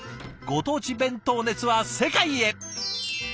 ご当地弁当熱は世界へ！